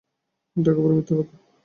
এটা একেবারে মিথ্যে কথা।